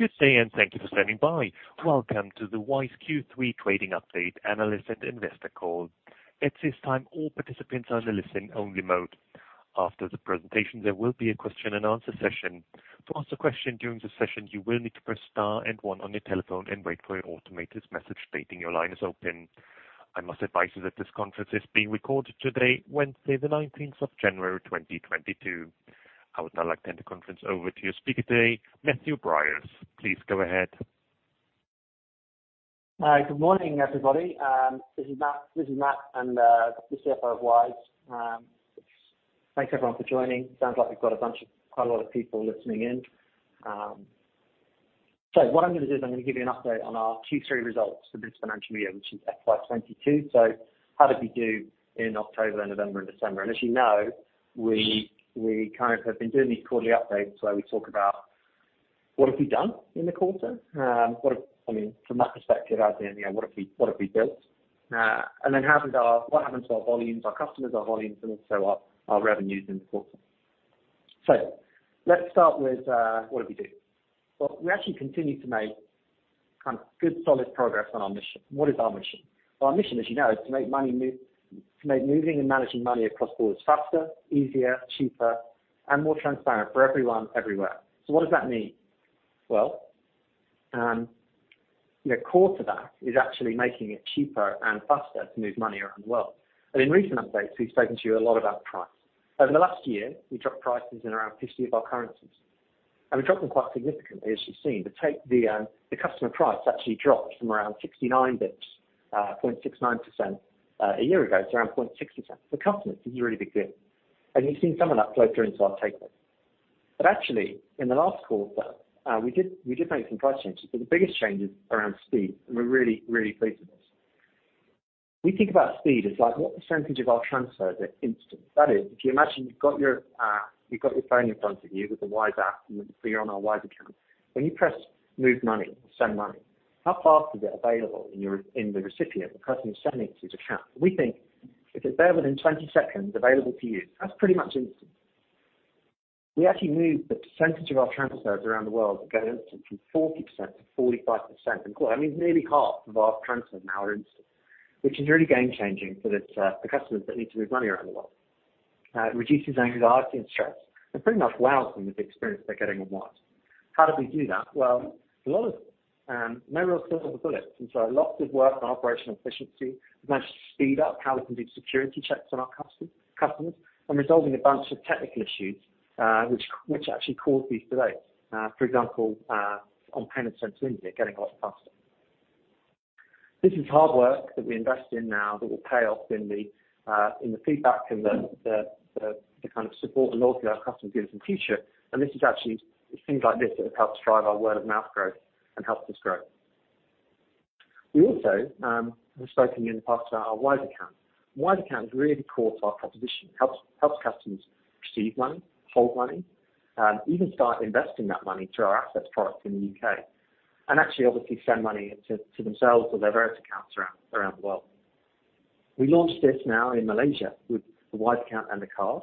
Good day, and thank you for standing by. Welcome to the Wise Q3 Trading Update Analysis Investor Call. At this time, all participants are in a listen-only mode. After the presentation, there will be a question and answer session. To ask a question during the session, you will need to press star and one on your telephone and wait for an automated message stating your line is open. I must advise you that this conference is being recorded today, Wednesday the 19th of January, 2022. I would now like to hand the conference over to your speaker today, Matthew Briers. Please go ahead. Hi, good morning, everybody. This is Matt, the CFO of Wise. Thanks everyone for joining. Sounds like we've got a bunch of, quite a lot of people listening in. What I'm gonna do is I'm gonna give you an update on our Q3 results for this financial year, which is FY 2022. How did we do in October and November and December? As you know, we kind of have been doing these quarterly updates where we talk about what have we done in the quarter. I mean, from that perspective, as in, you know, what have we built? What happened to our volumes, our customers, our volumes, and also our revenues in the quarter. Let's start with what did we do? Well, we actually continued to make kind of good, solid progress on our mission. What is our mission? Well, our mission, as you know, is to make moving and managing money across borders faster, easier, cheaper, and more transparent for everyone everywhere. What does that mean? Well, you know, core to that is actually making it cheaper and faster to move money around the world. In recent updates, we've spoken to you a lot about price. Over the last year, we dropped prices in around 50 of our currencies. We dropped them quite significantly, as you've seen. The customer price actually dropped from around 69 basis points, 0.69% a year ago to around 0.6%. For customers, this is a really big deal. You've seen some of that flow through into our take rate. Actually, in the last quarter, we did make some price changes, but the biggest change is around speed, and we're really, really pleased with this. We think about speed as, like, what percentage of our transfers are instant. That is, if you imagine you've got your phone in front of you with the Wise app, and so you're on our Wise account. When you press Move Money or Send Money, how fast is it available in the recipient, the person you're sending it to's account? We think if it's there within 20 seconds available for you, that's pretty much instant. We actually moved the percentage of our transfers around the world that go instant from 40% to 45% in quarter. I mean, nearly half of our transfers now are instant, which is really game-changing for this, the customers that need to move money around the world. It reduces anxiety and stress, and pretty much wows them with the experience they're getting on Wise. How did we do that? Well, no real silver bullets. Lots of work on operational efficiency. We managed to speed up how we can do security checks on our customers and resolving a bunch of technical issues, which actually caused these delays. For example, on payment to India, getting a lot faster. This is hard work that we invest in now that will pay off in the feedback and the kind of support and loyalty our customers give us in future. This is actually, it's things like this that have helped drive our word-of-mouth growth and helped us grow. We also, we've spoken in the past about our Wise Account. Wise Account is really core to our proposition. It helps customers receive money, hold money, even start investing that money through our Assets product in the U.K.. Actually, obviously send money to themselves or their various accounts around the world. We launched this now in Malaysia with the Wise Account and the card.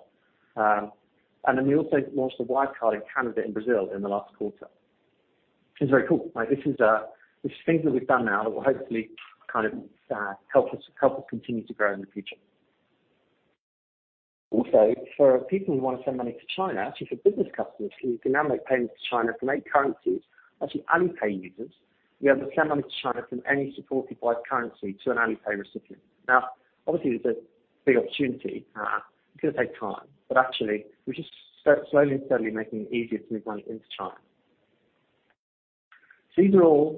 We also launched the Wise card in Canada and Brazil in the last quarter. It's very cool, right? This is things that we've done now that will hopefully kind of help us continue to grow in the future. Also, for people who want to send money to China, actually for business customers, you can now make payments to China for many currencies. Actually, Alipay users, we have to send money to China from any supported Wise currency to an Alipay recipient. Now, obviously, there's a big opportunity. It's gonna take time, but actually, we're just slowly and steadily making it easier to move money into China. These are all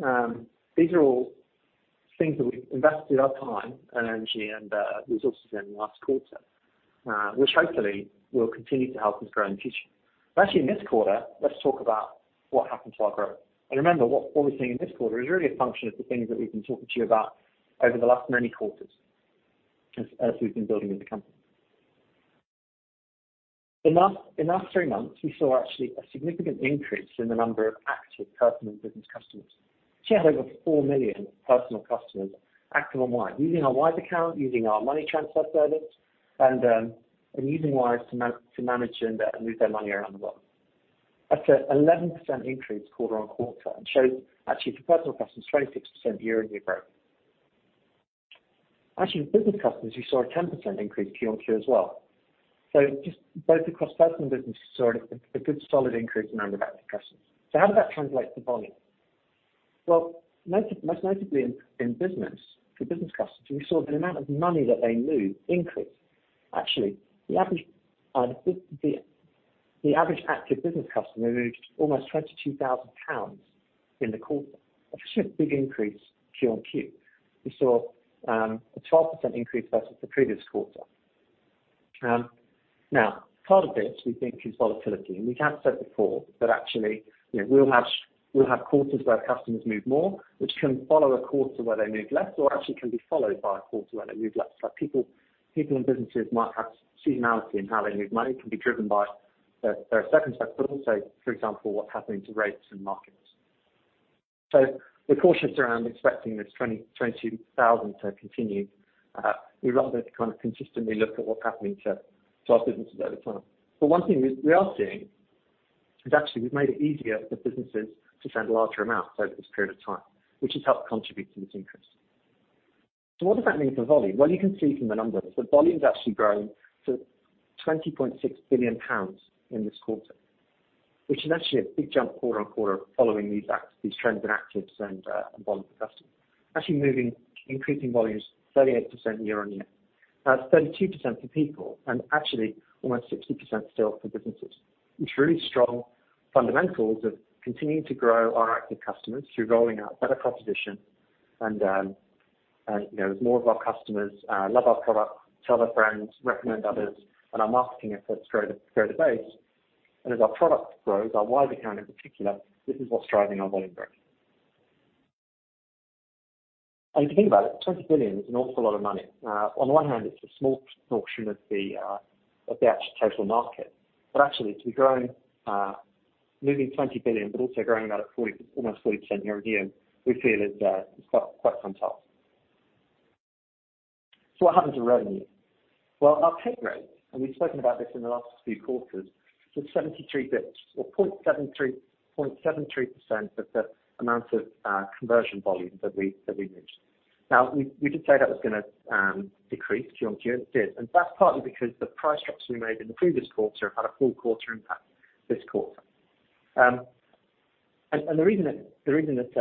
things that we've invested our time and energy and resources in the last quarter. Which hopefully will continue to help us grow in the future. Actually, in this quarter, let's talk about what happened to our growth. Remember, what we're seeing in this quarter is really a function of the things that we've been talking to you about over the last many quarters as we've been building in the company. In the last three months, we saw actually a significant increase in the number of active personal and business customers. We actually have over four million personal customers active on Wise, using our Wise Account, using our money transfer service, and using Wise to manage and move their money around the world. That's an 11% increase quarter-over-quarter, and shows actually for personal customers, 26% year-on-year growth. Actually, in business customers, we saw a 10% increase Q-over-Q as well. Just both across personal and business, we saw a good solid increase in the amount of active customers. How did that translate to volume? Most notably in business, for business customers, we saw the amount of money that they moved increase. The average active business customer moved almost 22,000 pounds in the quarter. Obviously, a big increase Q-on-Q. We saw a 12% increase versus the previous quarter. Now, part of this we think is volatility. We have said before that we'll have quarters where customers move more, which can follow a quarter where they move less or can be followed by a quarter where they move less. People in businesses might have seasonality in how they move money. It can be driven by their circumstances but also, for example, what's happening to rates and markets. We're cautious around expecting this 22,000 to continue. We'd rather kind of consistently look at what's happening to our businesses over time. One thing we are seeing is actually we've made it easier for businesses to send larger amounts over this period of time, which has helped contribute to this increase. What does that mean for volume? Well, you can see from the numbers that volume's actually grown to 20.6 billion pounds in this quarter, which is actually a big jump quarter-over-quarter following these trends in actives and volume per customer. Actually, increasing volumes 38% year-over-year. 32% for people and actually almost 60% still for businesses. It's really strong fundamentals of continuing to grow our active customers through rolling out better proposition and, you know, as more of our customers love our product, tell their friends, recommend others and our marketing efforts grow the base. As our product grows, our Wise Account in particular, this is what's driving our volume growth. If you think about it, 20 billion is an awful lot of money. On one hand, it's a small proportion of the actual total market. Actually to be growing, moving 20 billion, but also growing about 40%, almost 40% year-on-year, we feel is quite on top. What happens to revenue? Well, our take rate, and we've spoken about this in the last few quarters, is 73 basis points or 0.73% of the amount of conversion volume that we moved. Now we did say that was gonna decrease Q-on-Q, and it did. That's partly because the price structures we made in the previous quarter had a full quarter impact this quarter. The reason it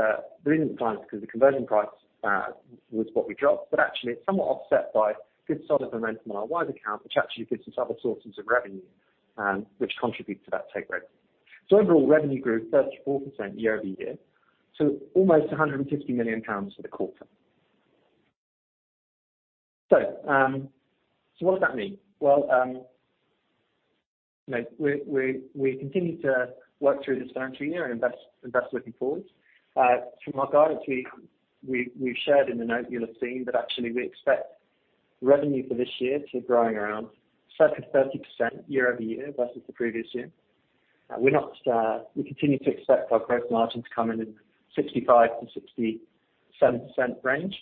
declined is because the conversion price was what we dropped, but actually it's somewhat offset by good solid momentum in our Wise Account, which actually gives us other sources of revenue, which contribute to that take rate. Overall revenue grew 34% year-over-year, so almost 150 million pounds for the quarter. What does that mean? Well, you know, we continue to work through this financial year and invest looking forward. From our guidance, we've shared in the note you'll have seen that actually we expect revenue for this year to growing around circa 30% year-over-year versus the previous year. We're not, we continue to expect our gross margin to come in at 65%-67% range.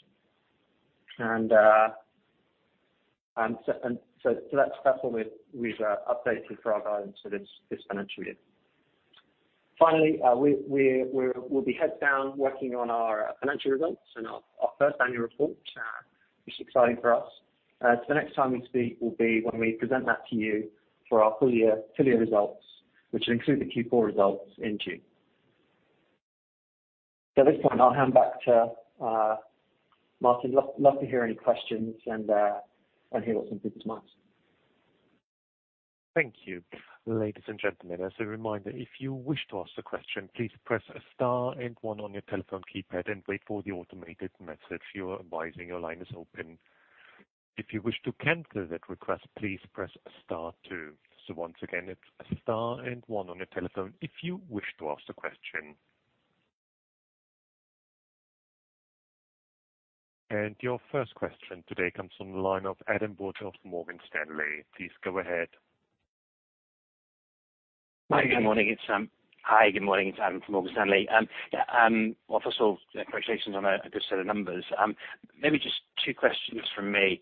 So that's what we've updated for our guidance for this financial year. Finally, we'll be heads down working on our financial results and our first annual report, which is exciting for us. The next time we speak will be when we present that to you for our full year results, which will include the Q4 results in June. At this point I'll hand back to Martin. Love to hear any questions and hear what's on people's minds. Thank you. Ladies and gentlemen, as a reminder, if you wish to ask a question, please press star and one on your telephone keypad and wait for the automated message for advising your line is open. If you wish to cancel that request, please press star two. Once again, it's star and one on your telephone if you wish to ask a question. Your first question today comes from the line of Adam Wood of Morgan Stanley. Please go ahead. Hi, good morning. It's Adam from Morgan Stanley. Yeah, well, first of all, congratulations on a good set of numbers. Maybe just two questions from me.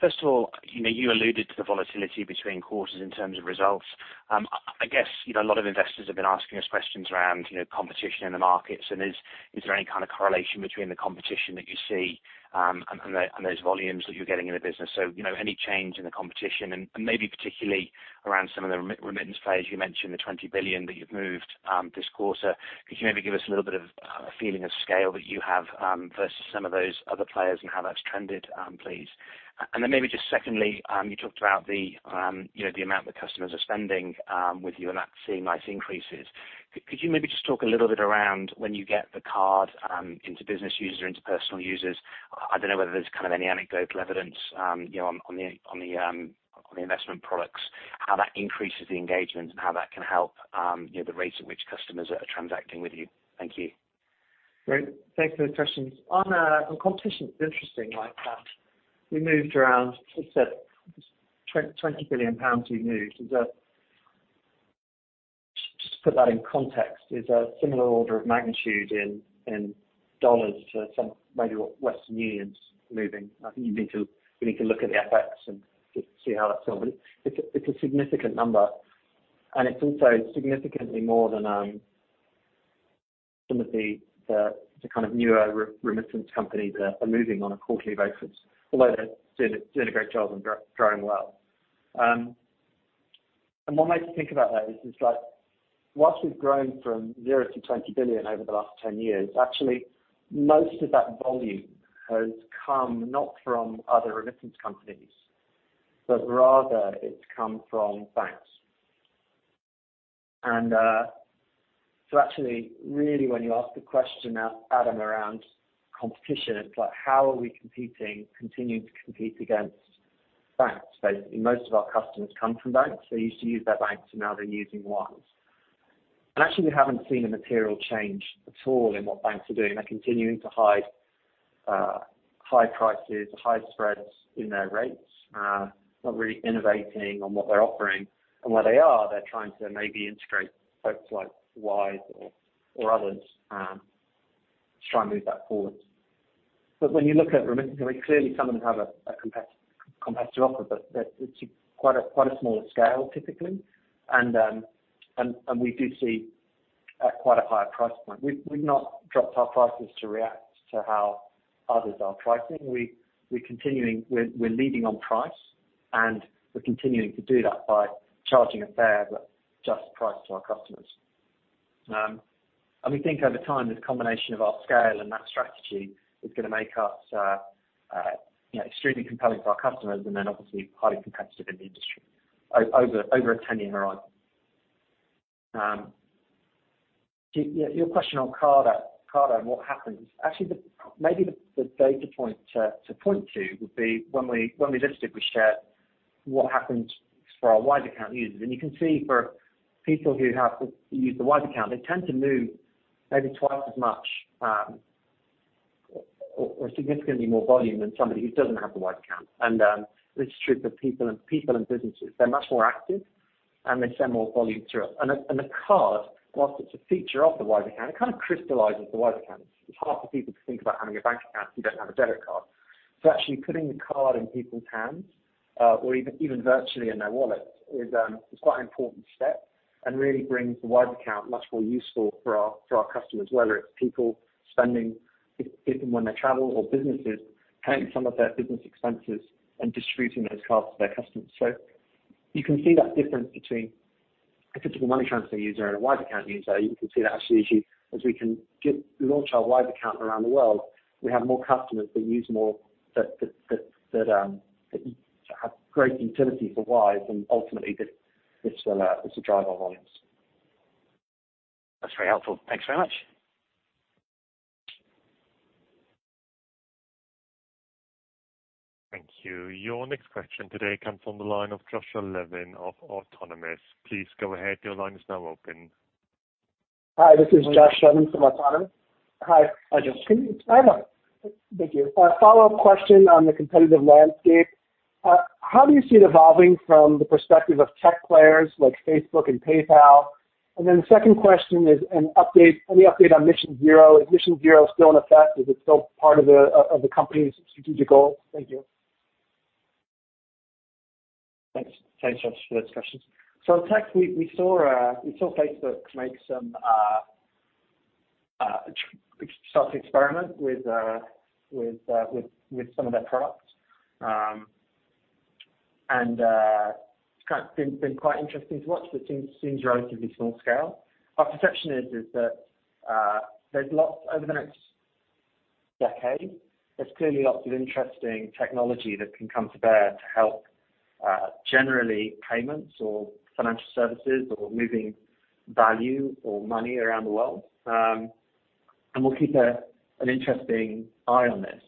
First of all, you know, you alluded to the volatility between quarters in terms of results. I guess, you know, a lot of investors have been asking us questions around, you know, competition in the markets. Is there any kind of correlation between the competition that you see and those volumes that you're getting in the business? You know, any change in the competition, and maybe particularly around some of the remittance players. You mentioned the 20 billion that you've moved this quarter. Could you maybe give us a little bit of a feeling of scale that you have versus some of those other players and how that's trended, please? Maybe just secondly, you talked about the you know, the amount the customers are spending with you and that seeing nice increases. Could you maybe just talk a little bit around when you get the card into business users or into personal users? I don't know whether there's kind of any anecdotal evidence you know, on the investment products, how that increases the engagement and how that can help you know, the rate at which customers are transacting with you. Thank you. Great. Thanks for the questions. On competition, it's interesting, like that we moved around, as you said, GBP 20 billion we moved is just to put that in context, is a similar order of magnitude in dollars to some maybe what Western Union's moving. We need to look at the FX and just see how that's going. It's a significant number, and it's also significantly more than some of the kind of newer remittance companies that are moving on a quarterly basis, although they're doing a great job and growing well. What makes you think about that is like while we've grown from zero to 20 billion over the last 10 years, actually most of that volume has come not from other remittance companies, but rather it's come from banks. Actually, really, when you ask the question now, Adam, around competition, it's like how are we competing, continuing to compete against banks, basically. Most of our customers come from banks. They used to use their banks and now they're using Wise. Actually we haven't seen a material change at all in what banks are doing. They're continuing to high prices, high spreads in their rates, not really innovating on what they're offering. Where they are, they're trying to maybe integrate folks like Wise or others to try and move that forward. But when you look at Remitly, clearly some of them have a competitor offer, but it's quite a smaller scale typically. We do see at quite a higher price point. We've not dropped our prices to react to how others are pricing. We're leading on price, and we're continuing to do that by charging a fair but just price to our customers. We think over time, this combination of our scale and that strategy is gonna make us, you know, extremely compelling for our customers and then obviously highly competitive in the industry over a 10-year horizon. Your question on card and what happens. Actually, maybe the data point to point to would be when we listed, we shared what happened for our Wise Account users. You can see for people who have or use the Wise Account, they tend to move maybe twice as much or significantly more volume than somebody who doesn't have the Wise Account. This is true for people and businesses. They're much more active, and they send more volume through. The card, while it's a feature of the Wise Account, it kind of crystallizes the Wise Account. It's hard for people to think about having a bank account if you don't have a debit card. Actually putting the card in people's hands, or even virtually in their wallets is quite an important step and really brings the Wise Account much more useful for our customers, whether it's people spending, people when they travel or businesses paying some of their business expenses and distributing those cards to their customers. You can see that difference between a typical money transfer user and a Wise Account user. You can see that actually as we launch our Wise Account around the world, we have more customers that use more that have great intensity for Wise and ultimately that's the driver volumes. That's very helpful. Thanks very much. Thank you. Your next question today comes from the line of Joshua Levin of Autonomous. Please go ahead. Your line is now open. Hi, this is Joshua Levin from Autonomous. Hi. Hi, Josh. Thank you. A follow-up question on the competitive landscape. How do you see it evolving from the perspective of tech players like Facebook and PayPal? The second question is an update, any update on Mission Zero. Is Mission Zero still in effect? Is it still part of the company's strategic goal? Thank you. Thanks. Thanks, Josh, for those questions. Tech, we saw Facebook start to experiment with some of their products. It's kind of been quite interesting to watch, but seems relatively small-scale. Our perception is that there's lots over the next decade, there's clearly lots of interesting technology that can come to bear to help, generally, payments or financial services or moving value or money around the world. We'll keep an interested eye on this.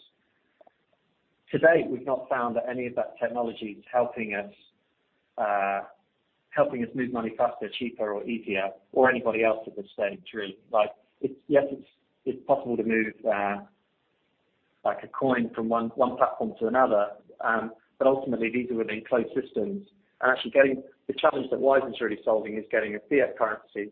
To date, we've not found that any of that technology is helping us move money faster, cheaper, or easier or anybody else at this stage really. Like, yes, it's possible to move like a coin from one platform to another, but ultimately, these are really closed systems. The challenge that Wise is really solving is getting a fiat currency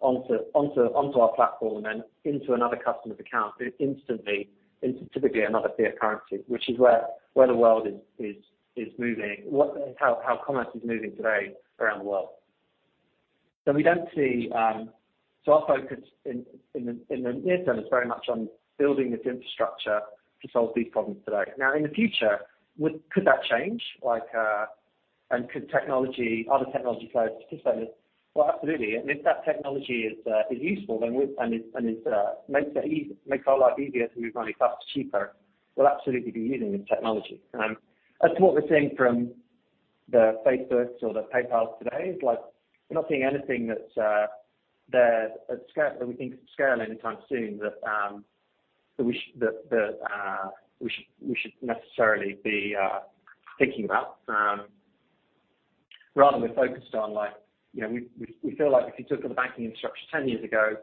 onto our platform and into another customer's account instantly, into typically another fiat currency, which is where the world is moving, how commerce is moving today around the world. Our focus in the near term is very much on building this infrastructure to solve these problems today. Now, in the future, could that change, like, and could technology, other technology players displace? Well, absolutely. If that technology is useful, then it makes it easy, makes our life easier to move money faster, cheaper, we'll absolutely be using the technology. As to what we're seeing from the Facebooks or the PayPals today is like, we're not seeing anything that's there at scale, that we think could scale anytime soon that we should necessarily be thinking about. Rather we're focused on, like, you know, we feel like if you look at the banking infrastructure 10 years ago,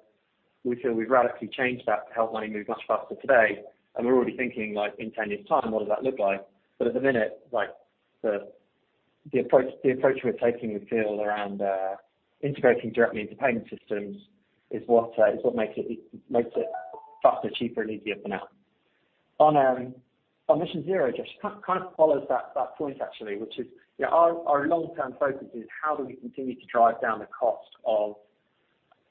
we feel we've radically changed that to help money move much faster today, and we're already thinking, like, in 10 years' time, what does that look like? At the minute, like the approach we're taking, we feel, around integrating directly into payment systems is what makes it faster, cheaper and easier for now. On Mission Zero, Josh, kind of follows that point actually, which is, you know, our long-term focus is how do we continue to drive down the cost of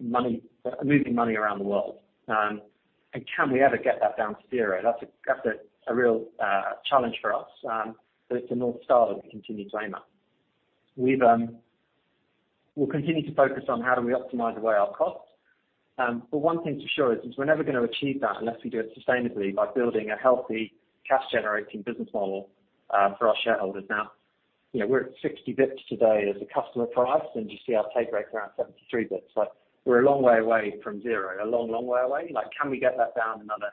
moving money around the world? Can we ever get that down to zero? That's a real challenge for us. It's a North Star that we continue to aim at. We'll continue to focus on how do we optimize away our costs. One thing's for sure is we're never gonna achieve that unless we do it sustainably by building a healthy cash-generating business model for our shareholders. Now, you know, we're at 60 bits today as a customer price, and you see our payback around 73 bits. Like, we're a long way away from zero. A long, long way away. Like, can we get that down another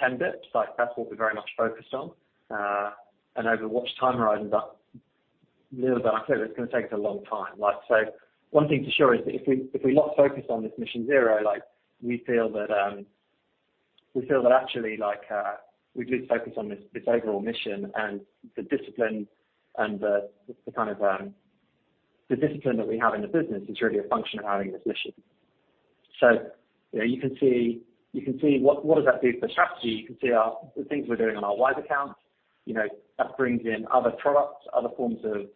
10 bits? Like, that's what we're very much focused on. Over what time horizon? I said it's gonna take us a long time. Like, one thing for sure is that if we're not focused on this Mission Zero, like, we feel that actually, like, we do focus on this overall mission and the discipline and the kind of discipline that we have in the business is really a function of having this mission. You know, you can see what that does for strategy. You can see the things we're doing on our Wise Account, you know, that brings in other products, other forms of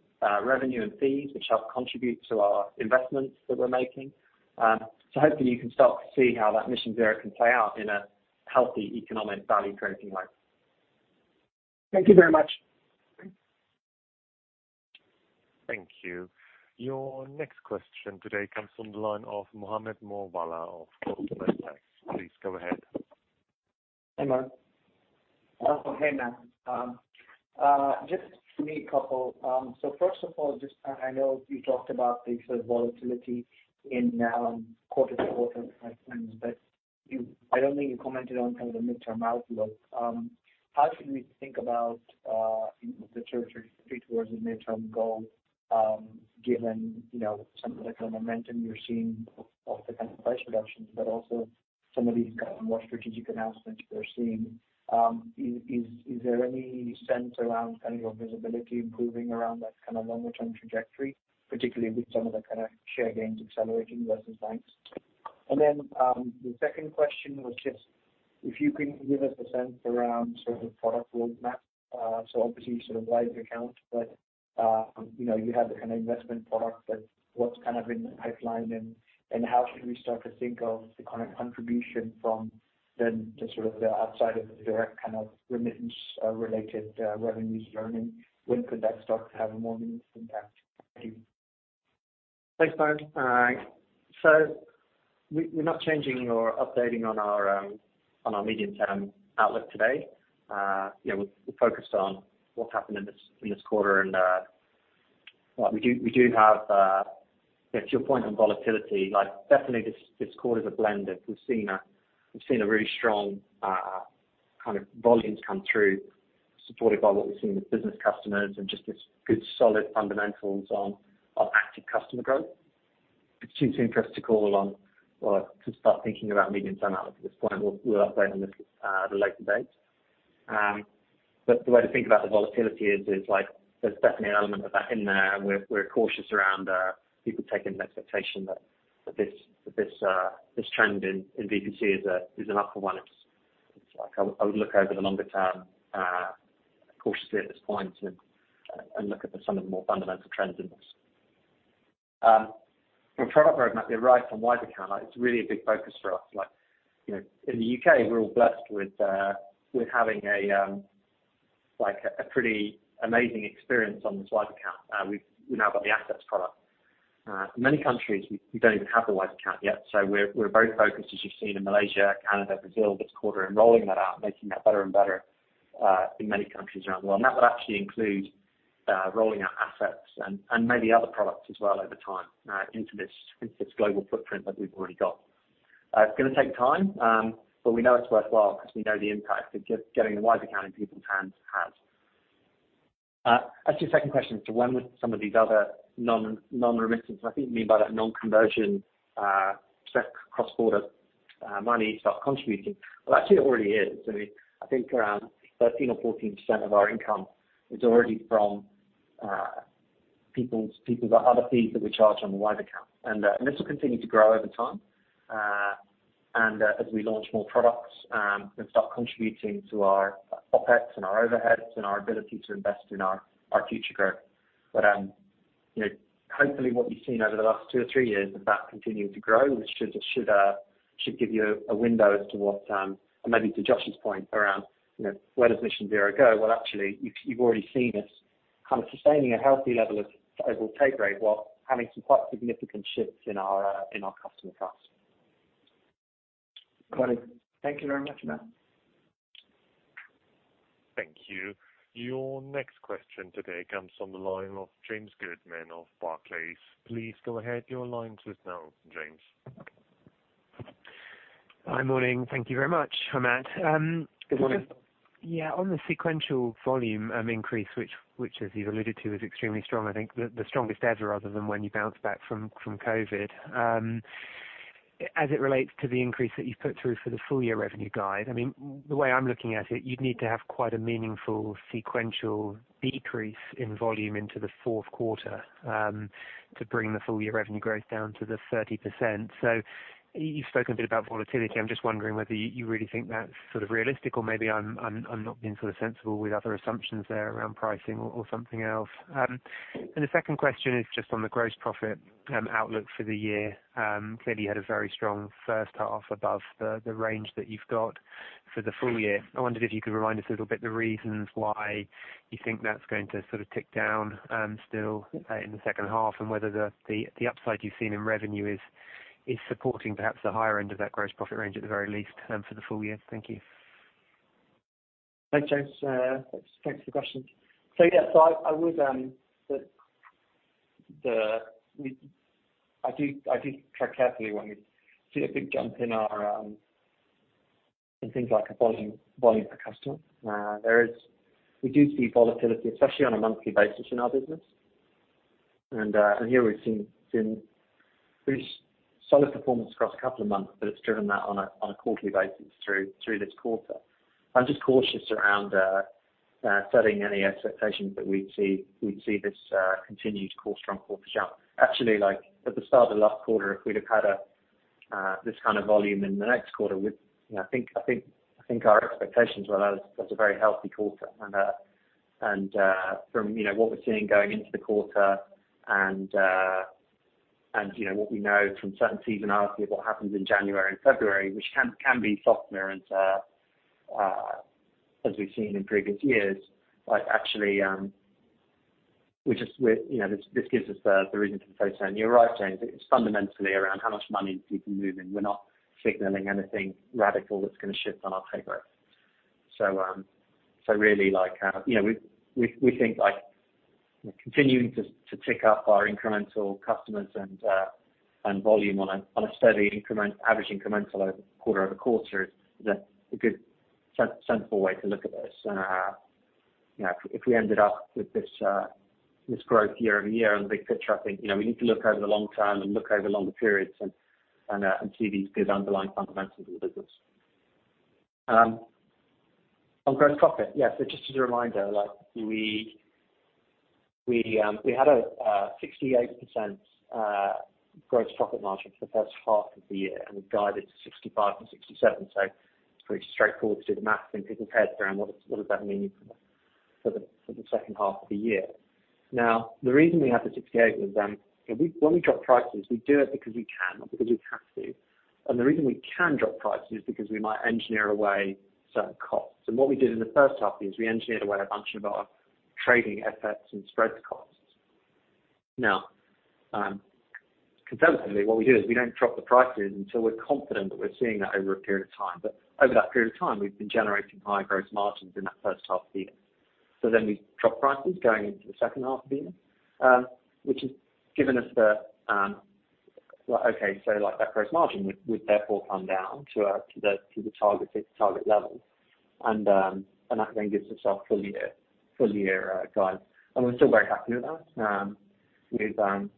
revenue and fees which help contribute to our investments that we're making. Hopefully you can start to see how that Mission Zero can play out in a healthy economic value creating way. Thank you very much. Okay. Thank you. Your next question today comes from the line of Mohammed Moawalla of Goldman Sachs. Please go ahead. Hey, Matt. Just for me, a couple. First of all, just I know you talked about the sort of volatility in quarter-to-quarter but I don't think you commented on kind of the medium-term outlook. How should we think about you know, the trajectory towards the medium-term goal, given you know, some of the kind of momentum you're seeing of the kind of price reductions, but also some of these kind of more strategic announcements we're seeing? Is there any sense around kind of your visibility improving around that kind of longer-term trajectory, particularly with some of the kind of share gains accelerating versus banks? Then the second question was just if you can give us a sense around sort of the product roadmap. Obviously you sort of Wise Account, but you know, you have the kind of investment product, but what's kind of in the pipeline, and how should we start to think of the kind of contribution from them to sort of the outside of the direct kind of remittance related revenues you're earning? When could that start to have a more meaningful impact? Thank you. Thanks, Mohammed. We're not changing or updating on our medium term outlook today. You know, we're focused on what's happened in this quarter. Well, we do have. To your point on volatility, like, definitely this quarter's a blend of we've seen a really strong kind of volumes come through, supported by what we've seen with business customers and just this good solid fundamentals on active customer growth. It's too soon for us to call on or to start thinking about medium term outlook at this point. We'll update on this at a later date. The way to think about the volatility is like there's definitely an element of that in there, and we're cautious around people taking the expectation that this trend in B2C is an upper one. It's like I would look over the longer term cautiously at this point and look at some of the more fundamental trends in this. From a product roadmap, you're right on Wise Account. Like, it's really a big focus for us. Like, you know, in the U.K. we're all blessed with having, like, a pretty amazing experience on this Wise Account. We've now got the Assets product. For many countries we don't even have the Wise Account yet. We're very focused, as you've seen in Malaysia, Canada, Brazil this quarter, in rolling that out and making that better and better, in many countries around the world. That would actually include rolling out Assets and maybe other products as well over time into this global footprint that we've already got. It's gonna take time, but we know it's worthwhile 'cause we know the impact that getting a Wise Account in people's hands has. As to your second question as to when would some of these other non-remittance, I think you mean by that non-conversion, cross-border money start contributing. Well, actually it already is. I think around 13% or 14% of our income is already from people's other fees that we charge on the Wise Account. This will continue to grow over time. As we launch more products, they'll start contributing to our OpEx and our overheads and our ability to invest in our future growth. You know, hopefully what you've seen over the last two or three years of that continuing to grow, and it should give you a window as to what. Maybe to Josh's point around, you know, where does Mission Zero go? Well, actually you've already seen us kind of sustaining a healthy level of overall take rate while having some quite significant shifts in our customer costs. Got it. Thank you very much, Matt. Thank you. Your next question today comes from the line of James Goodman of Barclays. Please go ahead. Your line is now open, James. Hi. Morning. Thank you very much. Hi, Matt. Good morning. Just, yeah, on the sequential volume increase which as you've alluded to is extremely strong, I think the strongest ever other than when you bounced back from COVID. As it relates to the increase that you've put through for the full year revenue guide, I mean, the way I'm looking at it, you'd need to have quite a meaningful sequential decrease in volume into the Q4 to bring the full year revenue growth down to the 30%. You've spoken a bit about volatility. I'm just wondering whether you really think that's sort of realistic or maybe I'm not being sort of sensible with other assumptions there around pricing or something else. The second question is just on the gross profit outlook for the year. Clearly you had a very strong first half above the range that you've got for the full year. I wondered if you could remind us a little bit the reasons why you think that's going to sort of tick down in the second half, and whether the upside you've seen in revenue is supporting perhaps the higher end of that gross profit range at the very least for the full year. Thank you. Thanks, James. Thanks for the question. I would tread carefully when we see a big jump in our volume per customer. We do see volatility, especially on a monthly basis in our business. Here we've seen pretty solid performance across a couple of months, but it's driven that on a quarterly basis through this quarter. I'm just cautious around setting any expectations that we'd see this continued, of course, strong quarter, though. Actually, like, at the start of the last quarter, if we'd have had this kind of volume in the next quarter, you know, I think our expectations were that was a very healthy quarter. From what we're seeing going into the quarter and what we know from certain seasonality of what happens in January and February, which can be softer. As we've seen in previous years, like actually, we, you know, this gives us the reason for the focus. You're right, James, it's fundamentally around how much money people move in. We're not signaling anything radical that's gonna shift on our paper. Really like, you know, we think like continuing to tick up our incremental customers and volume on a steady incremental average over quarter-over-quarter is a good sensible way to look at this. You know, if we ended up with this growth year-over-year on the big picture, I think you know, we need to look over the long term and look over longer periods and see these good underlying fundamentals of the business. On gross profit. Yes. So just as a reminder, like we had a 68% gross profit margin for the first half of the year, and we've guided to 65%-67%. So it's pretty straightforward to do the math in people's heads around what does that mean for the second half of the year. Now, the reason we have the 68% was, you know, when we drop prices, we do it because we can, not because we have to. The reason we can drop prices is because we might engineer away certain costs. What we did in the first half is we engineered away a bunch of our trading effects and spread costs. Now, conservatively, what we do is we don't drop the prices until we're confident that we're seeing that over a period of time. Over that period of time, we've been generating high gross margins in that first half of the year. We drop prices going into the second half of the year, which has given us that gross margin would therefore come down to the target, hit the target level. That then gives us our full year guide. We're still very happy with that.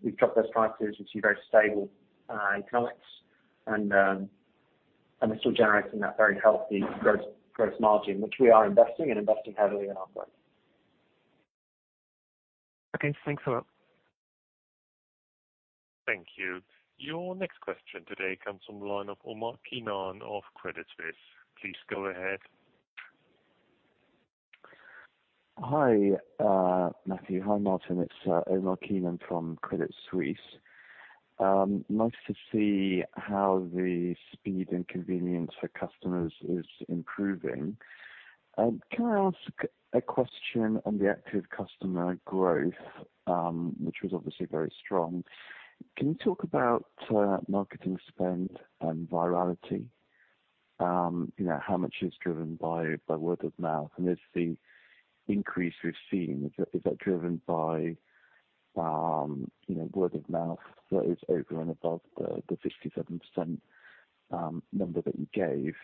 We've dropped those prices. We see very stable economics, and we're still generating that very healthy gross margin, which we are investing heavily in our growth. Okay. Thanks a lot. Thank you. Your next question today comes from the line of Omar Keenan of Credit Suisse. Please go ahead. Hi, Matthew. Hi, Martin. It's Omar Keenan from Credit Suisse. Nice to see how the speed and convenience for customers is improving. Can I ask a question on the active customer growth, which was obviously very strong? Can you talk about marketing spend and virality? You know, how much is driven by word of mouth? Is the increase we've seen, is that driven by you know, word of mouth that is over and above the 57% number that you gave?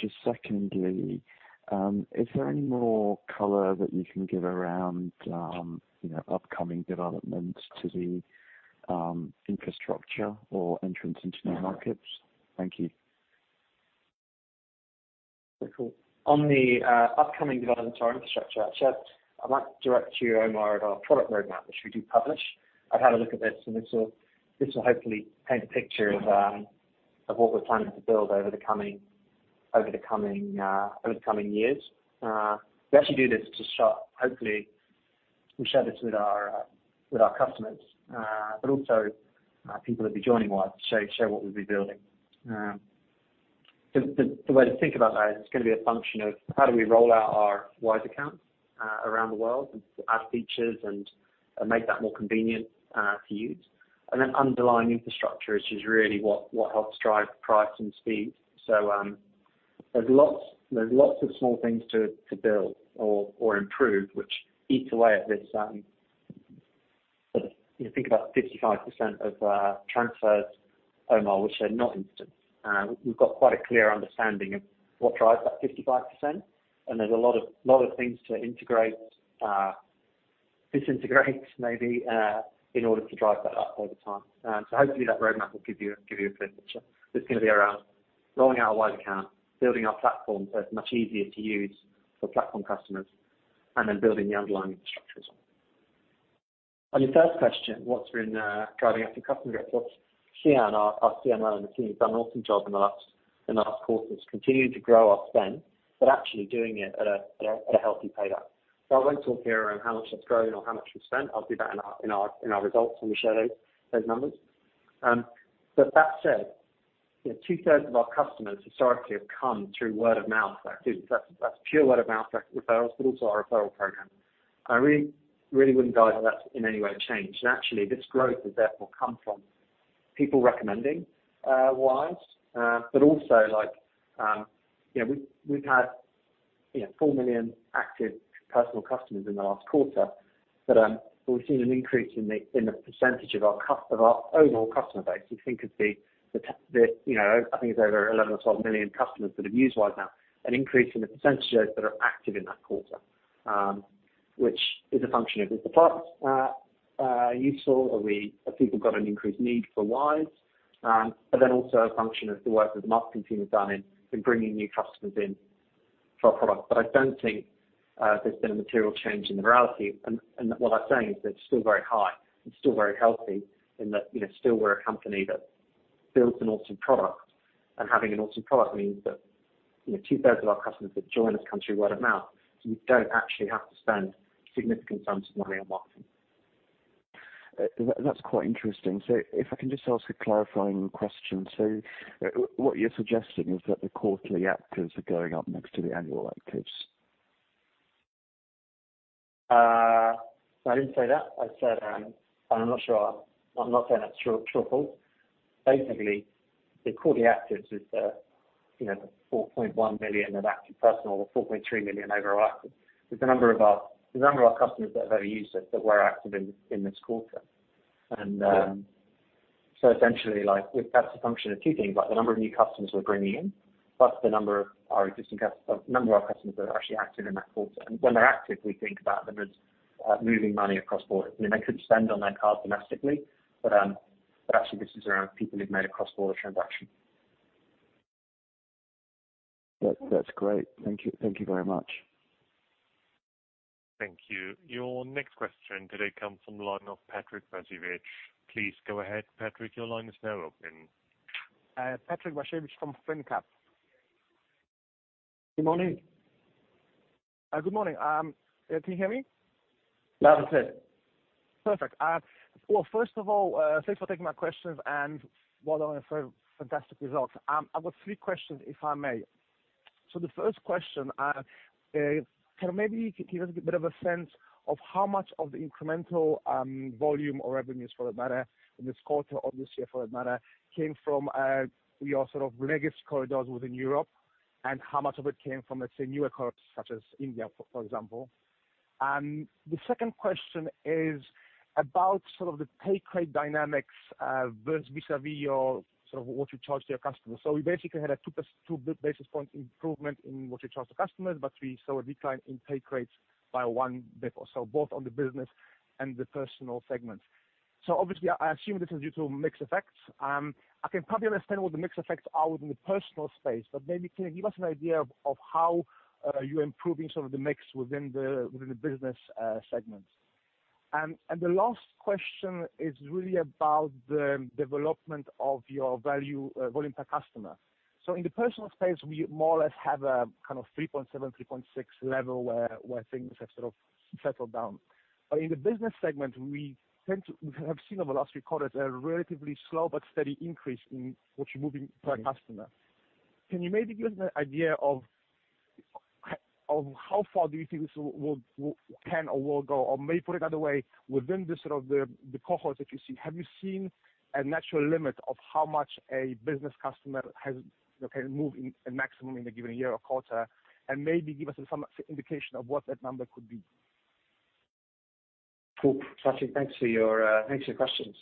Just secondly, is there any more color that you can give around you know, upcoming developments to the infrastructure or entrance into new markets? Thank you. Very cool. On the upcoming developments to our infrastructure, actually, I might direct you, Omar, at our product roadmap, which we do publish. I've had a look at this, and this will hopefully paint a picture of what we're planning to build over the coming years. We actually do this to show, hopefully, we share this with our customers, but also people that'd be joining Wise, show what we'll be building. The way to think about that is it's gonna be a function of how do we roll out our Wise Account around the world and add features and make that more convenient to use. Then underlying infrastructure, which is really what helps drive price and speed. There's lots of small things to build or improve, which eats away at this. You think about 55% of transfers, Omar, which are not instant. We've got quite a clear understanding of what drives that 55%, and there's a lot of things to integrate, disintegrate maybe, in order to drive that up over time. Hopefully that roadmap will give you a clear picture. It's gonna be around rolling out a Wise Account, building our platform so it's much easier to use for platform customers, and then building the underlying infrastructure as well. On your first question, what's been driving active customer growth? Cian, our CMO and the team, has done an awesome job in the last quarter to continue to grow our spend, but actually doing it at a healthy paydown. I won't talk here on how much that's grown or how much we've spent. I'll do that in our results when we share those numbers. That said, you know, two-thirds of our customers historically have come through word of mouth. That's pure word of mouth referrals, but also our referral program. I really wouldn't guide how that's in any way changed. Actually, this growth has therefore come from people recommending Wise, but also, like, you know, we've had. You know, four million active personal customers in the last quarter. We've seen an increase in the, in the percentage of our of our overall customer base. We think it'd be the, you know, I think it's over 11 or 12 million customers that have used Wise now, an increase in the percentage that are active in that quarter. Which is a function of the products, you saw. Have people got an increased need for Wise? Also a function of the work that the marketing team has done in bringing new customers in for our product. I don't think there's been a material change in the morality. What I'm saying is that it's still very high and still very healthy in that, you know, still we're a company that builds an awesome product. Having an awesome product means that, you know, 2/3 of our customers that join us come through word of mouth, so we don't actually have to spend significant sums of money on marketing. That's quite interesting. If I can just ask a clarifying question. What you're suggesting is that the quarterly actives are going up next to the annual actives? I didn't say that. I said, and I'm not sure. I'm not saying that's true at all. Basically, the quarterly actives is, you know, 4.1 billion in active personal or 4.3 billion overall. It's the number of our customers that have ever used us that were active in this quarter. Essentially like, that's a function of two things, like the number of new customers we're bringing in, plus the number of our existing customers that are actually active in that quarter. When they're active, we think about them as moving money across borders. I mean, they could spend on their card domestically, but actually this is around people who've made a cross-border transaction. That's great. Thank you. Thank you very much. Thank you. Your next question today comes from the line of [Patrik Bajevic]. Please go ahead, Patrik, your line is now open. [Patrik Bajevic from LanCap]. Good morning. Good morning. Can you hear me? Loud and clear. Perfect. Well, first of all, thanks for taking my questions and well done for fantastic results. I've got three questions, if I may. The first question, can maybe give us a bit of a sense of how much of the incremental, volume or revenues for that matter in this quarter or this year for that matter, came from, your sort of legacy corridors within Europe and how much of it came from, let's say, newer corridors such as India, for example. The second question is about sort of the take rate dynamics, vis-à-vis your sort of what you charge to your customers. We basically had a 2 basis point improvement in what you charge the customers, but we saw a decline in take rates by 1 basis point, so both on the business and the personal segment. Obviously, I assume this is due to mix effects. I can probably understand what the mix effects are within the personal space, but maybe can you give us an idea of how you're improving some of the mix within the business segments? And the last question is really about the development of your value volume per customer. In the personal space, we more or less have a kind of 3.7, 3.6 level where things have sort of settled down. In the business segment, we have seen over the last few quarters a relatively slow but steady increase in what you're moving per customer. Can you maybe give us an idea of how far do you think this will can or will go? Or maybe put it another way, within the cohorts that you see, have you seen a natural limit of how much a business customer can move in maximum in a given year or quarter? And maybe give us some indication of what that number could be. Cool. Patrik, thanks for your questions.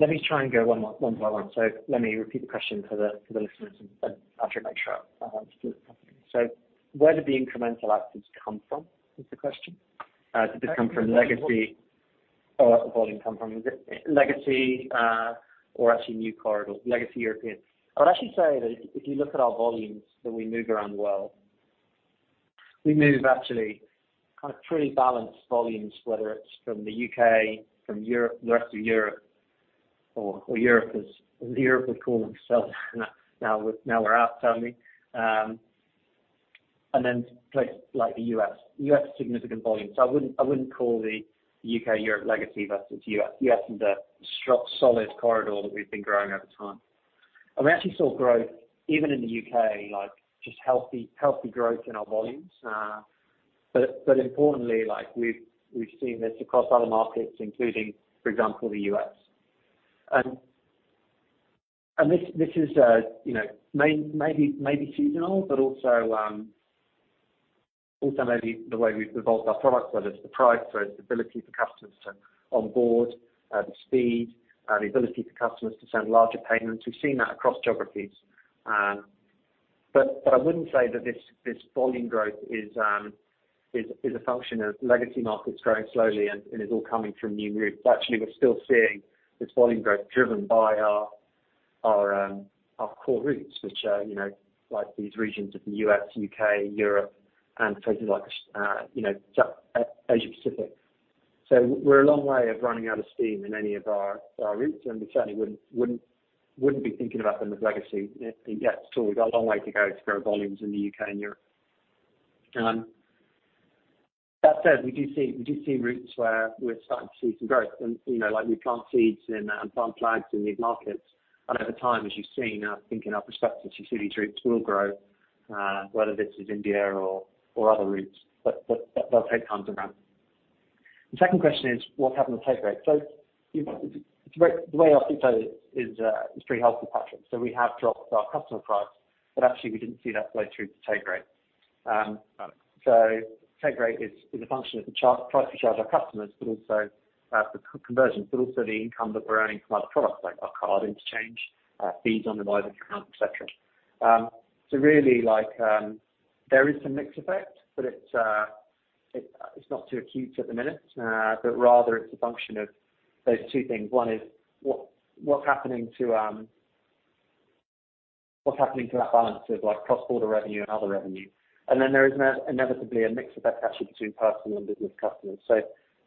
Let me try and go one by one. Let me repeat the question for the listeners and to make sure. Where did the incremental actives come from, is the question? Did they come from legacy or volume come from? Is it legacy or actually new corridors? Legacy European. I'd actually say that if you look at our volumes that we move around the world, we move actually kind of pretty balanced volumes, whether it's from the U.K., from Europe, the rest of Europe or Europe as Europe would call themselves now we're out, apparently. Then places like the U.S. U.S. is significant volume. I wouldn't call the U.K. Europe legacy versus U.S. U.S. is a solid corridor that we've been growing over time. We actually saw growth even in the U.K., like just healthy growth in our volumes. But importantly, like we've seen this across other markets, including, for example, the U.S. This is, you know, maybe seasonal, but also maybe the way we've evolved our products, whether it's the price or it's the ability for customers to onboard, the speed, the ability for customers to send larger payments. We've seen that across geographies. But I wouldn't say that this volume growth is a function of legacy markets growing slowly and is all coming from new routes. Actually, we're still seeing this volume growth driven by our core routes, which are, you know, like these regions of the U.S., U.K., Europe and places like, you know, Asia Pacific. We're a long way from running out of steam in any of our routes, and we certainly wouldn't be thinking about them as legacy yet at all. We've got a long way to go to grow volumes in the U.K. and Europe. That said, we do see routes where we're starting to see some growth and, you know, like we plant seeds and plant flags in these markets. Over time, as you've seen, I think in our perspective, you see these routes will grow, whether this is India or other routes, but they'll take time to ramp. The second question is what happened to take rate? You, it's very. The way I'll think that is pretty helpful, Patrick. We have dropped our customer price, but actually we didn't see that flow through to take rate. Take rate is a function of the price we charge our customers, but also the cross-conversion, but also the income that we're earning from other products like our card interchange, fees on the Wise Account, et cetera. There is some mix effect, but it's not too acute at the minute, but rather it's a function of those two things. One is what's happening to that balance of like cross-border revenue and other revenue. Then there is inevitably a mix of that actually between personal and business customers.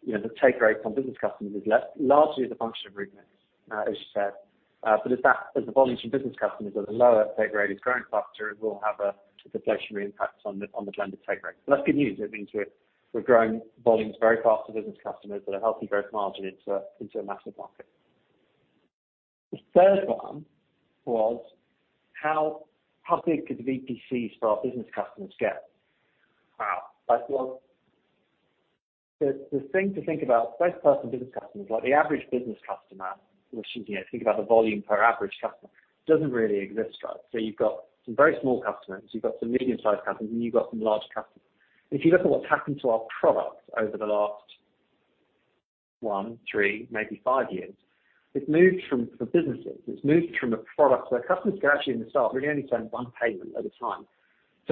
You know, the take rates on business customers is largely as a function of remix, as you said. But as the volumes from business customers at a lower take rate is growing faster, it will have a deflationary impact on the blended take rate. But that's good news. It means we're growing volumes very fast for business customers at a healthy growth margin into a massive market. The third one was how big could the VPCs for our business customers get? Wow. Like, well, the thing to think about both personal and business customers, like the average business customer, which is, you know, think about the volume per average customer doesn't really exist, right? You've got some very small customers, you've got some medium-sized customers, and you've got some large customers. If you look at what's happened to our product over the last one, three, maybe five years, it's moved from the businesses. It's moved from a product where customers can actually themselves really only send one payment at a time.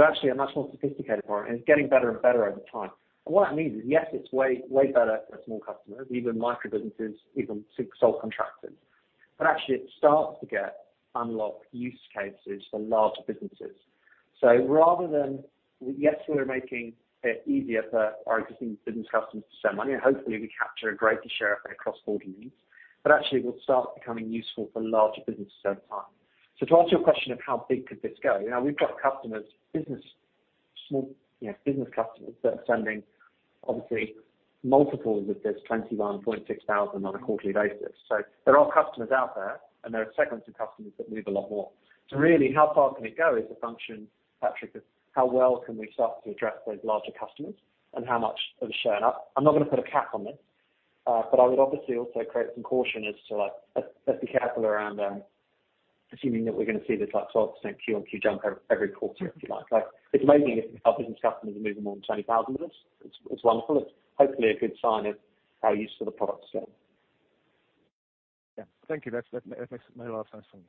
Actually a much more sophisticated product, and it's getting better and better over time. What that means is, yes, it's way better for small customers, even micro-businesses, even sole contractors. Actually it starts to get unlocked use cases for larger businesses. Rather than, yes, we are making it easier for our existing business customers to send money, and hopefully we capture a greater share of their cross-border needs, but actually it will start becoming useful for larger businesses over time. To answer your question of how big could this go, you know, we've got customers, business, small, you know, business customers that are sending obviously multiples of this 21,600 on a quarterly basis. There are customers out there, and there are segments of customers that move a lot more. Really, how far can it go is a function, Patrik, of how well can we start to address those larger customers and how much of a share now. I'm not gonna put a cap on this, but I would obviously also create some caution as to like, let's be careful around assuming that we're gonna see this like 12% Q-on-Q jump every quarter, if you like. Like, it's amazing our business customers are moving more than 20,000 with us. It's wonderful. It's hopefully a good sign of how useful the product is then. Yeah. Thank you. That makes a lot of sense for me.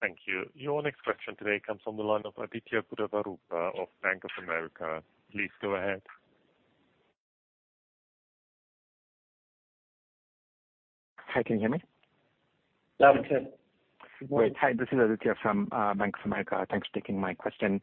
Thank you. Your next question today comes from the line of Aditya Buddhavarapu of Bank of America. Please go ahead. Hi, can you hear me? Loud and clear. Great. Hi, this is Aditya from Bank of America. Thanks for taking my question.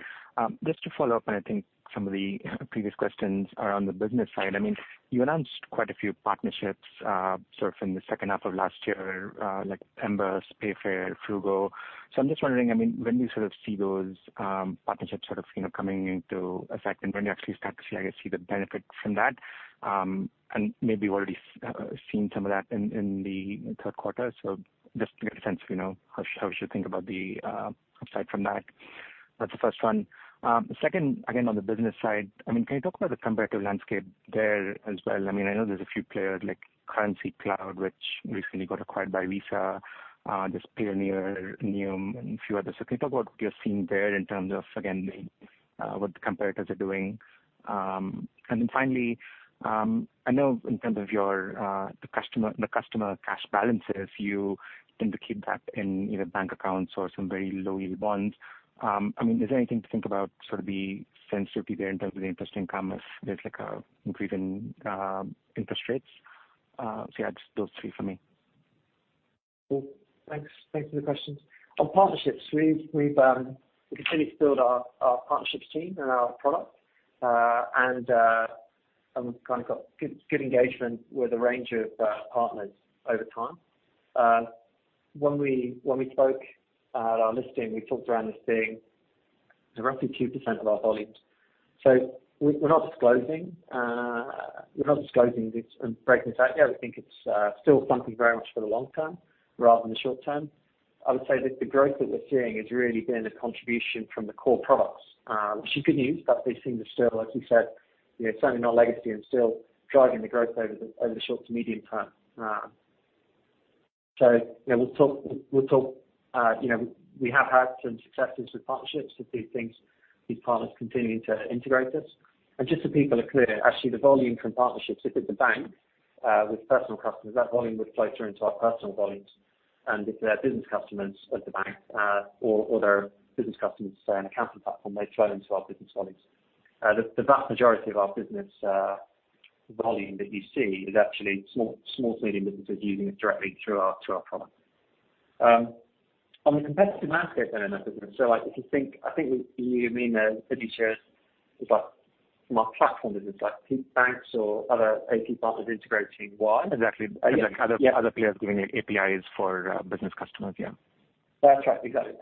Just to follow up on, I think, some of the previous questions around the business side. I mean, you announced quite a few partnerships, sort of in the second half of last year, like Embers, Payfare, Fruugo. I'm just wondering, I mean, when do you sort of see those partnerships sort of, you know, coming into effect and when do you actually start to see, I guess, see the benefit from that? And maybe you've already seen some of that in the third quarter. Just to get a sense of, you know, how we should think about the upside from that. That's the first one. Second, again, on the business side, I mean, can you talk about the competitive landscape there as well? I mean, I know there's a few players like Currencycloud, which recently got acquired by Visa, there's Payoneer, Nium, and a few others. Can you talk about what you're seeing there in terms of, again, what the competitors are doing? Finally, I know in terms of your, the customer cash balances, you tend to keep that in, you know, bank accounts or some very low-yield bonds. I mean, is there anything to think about sort of the sensitivity there in terms of the interest income if there's like a increase in, interest rates? Yeah, just those three for me. Cool. Thanks. Thanks for the questions. On partnerships, we continue to build our partnerships team and our product, and we've kind of got good engagement with a range of partners over time. When we spoke at our listing, we talked around this being roughly 2% of our volumes. We're not disclosing this and breaking this out. Yeah, we think it's still something very much for the long term rather than the short term. I would say that the growth that we're seeing is really being the contribution from the core products, which is good news. These things are still, as we said, you know, certainly not legacy and still driving the growth over the short to medium term. You know, we'll talk, you know, we have had some successes with partnerships with these partners continuing to integrate this. Just so people are clear, actually, the volume from partnerships, if it's a bank with personal customers, that volume would flow through into our personal volumes. If they're business customers of the bank or they're business customers, say, on a capital platform, they flow into our business volumes. The vast majority of our business volume that you see is actually small to medium businesses using it directly through our product. On the competitive landscape then, Aditya. I think what you mean there, Aditya, is like from our platform, it's like big banks or other API partners integrating Wise? Exactly. Other players giving you APIs for business customers, yeah. That's right. Exactly.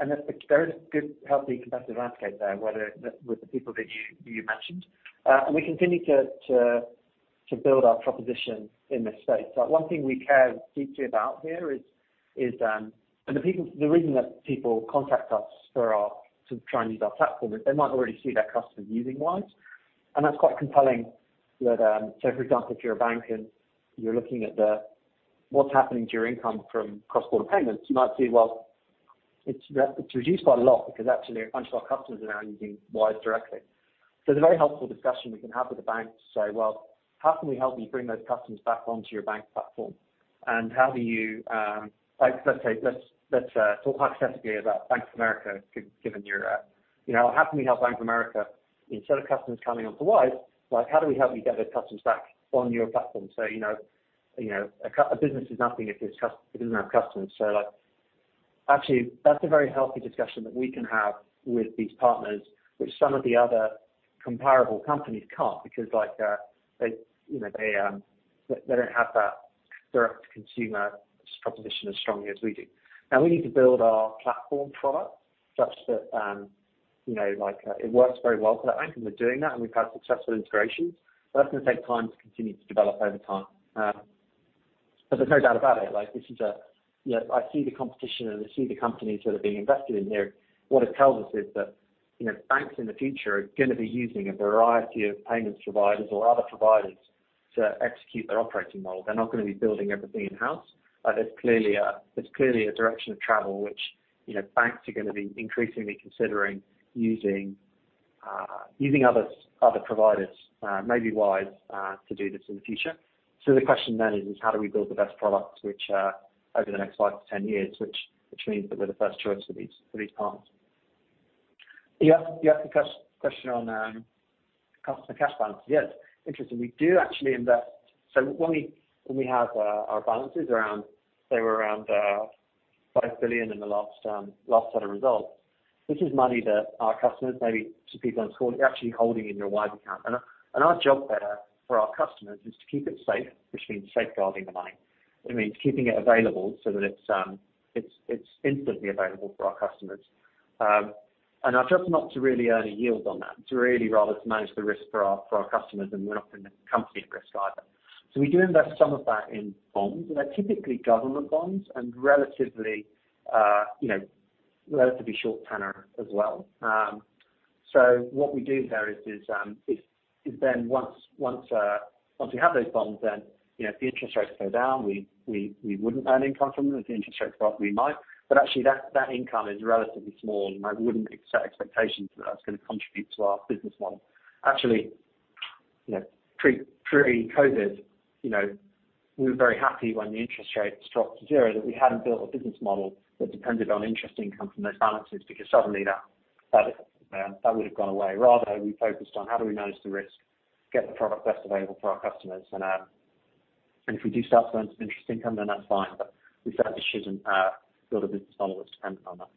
There is good, healthy competitive landscape there, whether with the people that you mentioned. We continue to build our proposition in this space. One thing we care deeply about here is the reason that people contact us to try and use our platform is they might already see their customers using Wise, and that's quite compelling that for example, if you're a bank and you're looking at what's happening to your income from cross-border payments, you might see, well, it's reduced by a lot because actually a bunch of our customers are now using Wise directly. It's a very helpful discussion we can have with the banks to say, "Well, how can we help you bring those customers back onto your bank platform? How do you like, let's say, talk hypothetically about Bank of America given your, you know, how can we help Bank of America instead of customers coming on to Wise, like, how do we help you get those customers back on your platform? You know, a business is nothing if it doesn't have customers. Like, actually, that's a very healthy discussion that we can have with these partners, which some of the other comparable companies can't because, like, they, you know, they don't have that direct consumer proposition as strongly as we do. Now, we need to build our platform product such that, you know, like, it works very well for that bank, and we're doing that, and we've had successful integrations. That's gonna take time to continue to develop over time. There's no doubt about it, like this is a. You know, I see the competition, and I see the companies that are being invested in here. What it tells us is that, you know, banks in the future are gonna be using a variety of payments providers or other providers to execute their operating model. They're not gonna be building everything in-house. Like, there's clearly a direction of travel which, you know, banks are gonna be increasingly considering using other providers, maybe Wise, to do this in the future. The question then is, how do we build the best product which over the next five to 10 years, which means that we're the first choice for these partners? Yeah. Yeah, the question on customer cash balance. Yes. Interesting. We do actually invest. When we have our balances around, say, 5 billion in the last set of results, this is money that our customers, maybe some people on this call, they're actually holding in their Wise Account. Our job there for our customers is to keep it safe, which means safeguarding the money. It means keeping it available so that it's instantly available for our customers. Our job's not to really earn a yield on that. It's really rather to manage the risk for our customers, and we're not gonna accept the risk either. We do invest some of that in bonds, and they're typically government bonds and relatively short tenor as well. What we do there is, once we have those bonds, then, you know, if the interest rates go down, we wouldn't earn income from them. If the interest rates go up, we might. But actually, that income is relatively small, and I wouldn't set expectations that that's gonna contribute to our business model. Actually, you know, pre-COVID, we were very happy when the interest rates dropped to zero, that we hadn't built a business model that depended on interest income from those balances because suddenly that would've gone away. Rather, we focused on how do we manage the risk, get the best product available for our customers, and if we do start to earn some interest income, then that's fine. We certainly shouldn't build a business model that's dependent on that.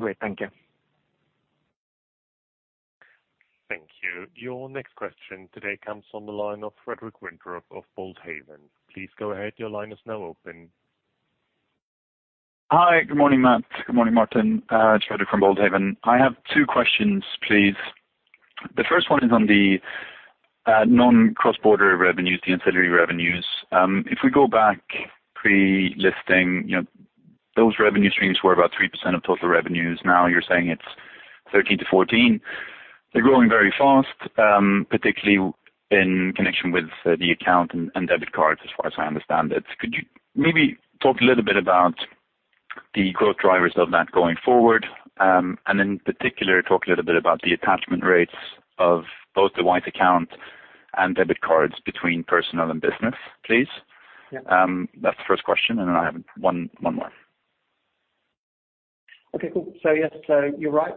Great. Thank you. Thank you. Your next question today comes from the line of Fredrik Windrup of Boldhaven. Please go ahead. Your line is now open. Hi. Good morning, Matthew. Good morning, Martin. It's Fredrik from Boldhaven. I have two questions, please. The first one is on the non-cross-border revenues, the ancillary revenues. If we go back pre-listing, those revenue streams were about 3% of total revenues. Now you're saying it's 13%-14%. They're growing very fast, particularly in connection with the account and debit cards, as far as I understand it. Could you maybe talk a little bit about the growth drivers of that going forward, and in particular, talk a little bit about the attachment rates of both the Wise Account and debit cards between personal and business, please? Yeah. That's the first question, and then I have one more. Okay, cool. Yes, so you're right.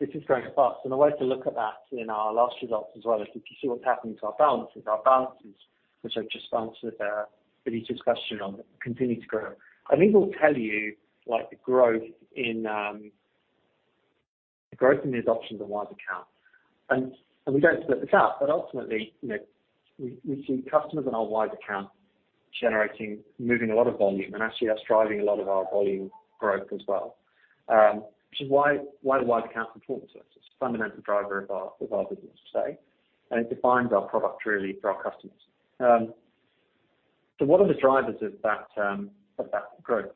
This is growing fast, and the way to look at that in our last results as well is if you see what's happening to our balances, which I've just answered Aditya's question on, continue to grow. These will tell you, like, the growth in the adoption of the Wise Account. We don't split this out, but ultimately, you know, we see customers in our Wise Account generating moving a lot of volume, and actually that's driving a lot of our volume growth as well. Which is why the Wise Account's important to us. It's a fundamental driver of our business, say, and it defines our product really for our customers. What are the drivers of that growth?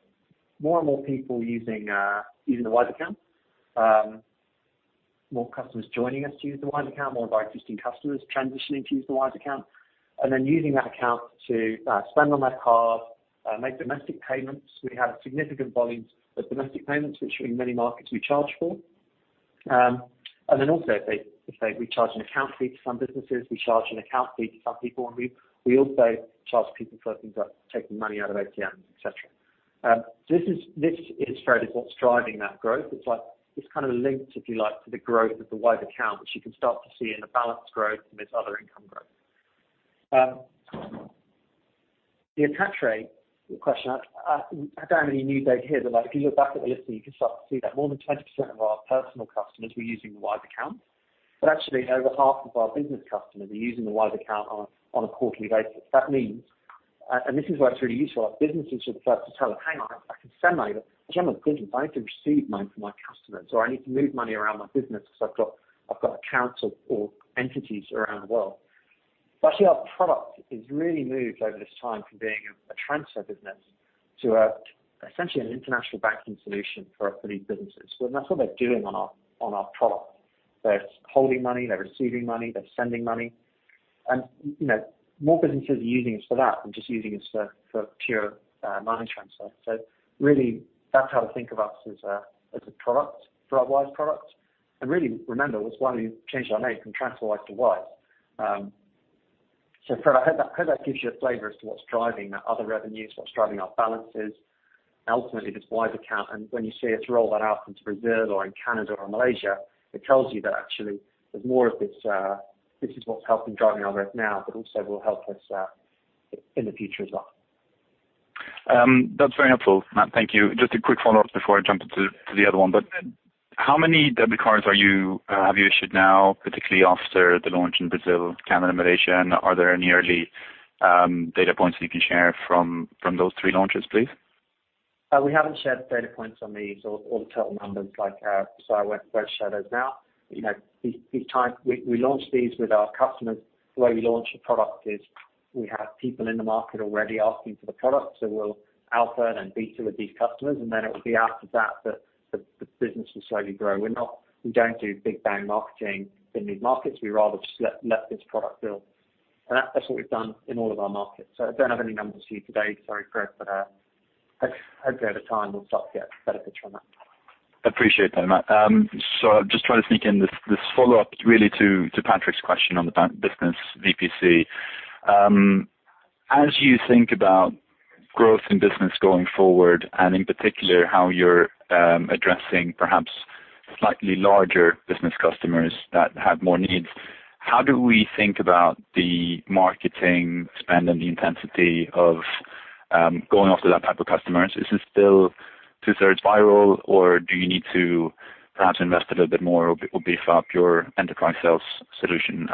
More and more people using the Wise Account. More customers joining us to use the Wise Account, more of our existing customers transitioning to use the Wise Account, and then using that account to spend on their card, make domestic payments. We have significant volumes of domestic payments, which in many markets we charge for. We charge an account fee to some businesses, we charge an account fee to some people, and we also charge people for things like taking money out of ATMs, et cetera. This is, Fred, what's driving that growth. It's like, it's kind of linked, if you like, to the growth of the Wise Account, which you can start to see in the balance growth and this other income growth. The attach rate question. I don't have any new data here, but like, if you look back at the listing, you can start to see that more than 20% of our personal customers were using the Wise Account. Actually, over half of our business customers are using the Wise Account on a quarterly basis. That means, and this is why it's really useful, our businesses will start to tell us, "Hang on, I can send money, but actually I'm a business. I need to receive money from my customers," or, "I need to move money around my business because I've got accounts or entities around the world." Actually our product is really moved over this time from being a transfer business to essentially an international banking solution for these businesses. Well, that's what they're doing on our product. They're holding money, they're receiving money, they're sending money. You know, more businesses are using us for that than just using us for pure money transfer. Really that's how to think of us as a product for our Wise product. Really remember, that's why we changed our name from TransferWise to Wise. Fred, I hope that gives you a flavor as to what's driving that other revenues, what's driving our balances, ultimately this Wise account. When you see us roll that out into Brazil or in Canada or Malaysia, it tells you that actually there's more of this. This is what's helping drive our rev now, but also will help us in the future as well. That's very helpful, Matt, thank you. Just a quick follow-up before I jump into the other one. How many debit cards have you issued now, particularly after the launch in Brazil, Canada, Malaysia? And are there any early data points you can share from those three launches, please? We haven't shared data points on these or the total numbers like our shadows now. You know, these times we launched these with our customers. The way we launch a product is we have people in the market already asking for the product, so we'll alpha and then beta with these customers, and then it will be after that that the business will slowly grow. We don't do big bang marketing in these markets. We rather just let this product build. That's what we've done in all of our markets. I don't have any numbers for you today. Sorry, Fred. Hopefully over time we'll start to get benefits from that. Appreciate that, Matt. Just trying to sneak in this follow-up really to Patrik's question on the bank business VPC. As you think about growth in business going forward, and in particular how you're addressing perhaps slightly larger business customers that have more needs, how do we think about the marketing spend and the intensity of going after that type of customers? Is this still two-thirds viral, or do you need to perhaps invest a little bit more or beef up your enterprise sales solution,